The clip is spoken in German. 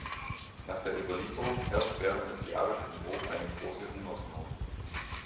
Nach der Überlieferung herrscht während des Jahres in Rom eine große Hungersnot.